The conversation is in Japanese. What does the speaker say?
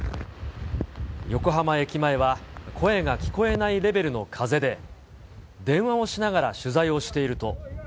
横浜駅前は声が聞こえないレベルの風で、電話をしながら取材をしていると。